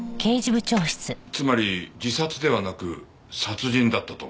つまり自殺ではなく殺人だったと。